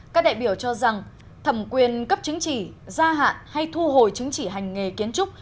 các đại biểu cho rằng thẩm quyền cấp chứng chỉ gia hạn hay thu hồi chứng chỉ hành nghề kiến trúc